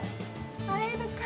会えるかな。